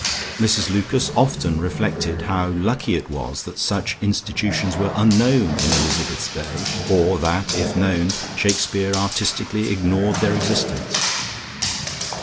Mrs Lucas often reflected how lucky it was that such institutions were unknown in Elizabeth's day, or that, if known, Shakespeare artistically ignored their existence.